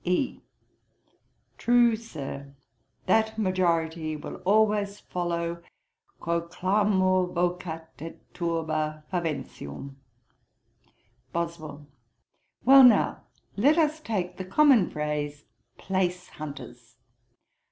E. 'True, Sir; that majority will always follow "Quo clamor vocat et turba, faventium."' BOSWELL. 'Well now, let us take the common phrase, Place hunters.